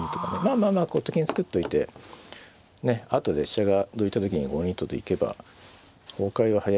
まあまあこうと金作っていてね後で飛車がどいた時に５二とと行けば崩壊は速いですから。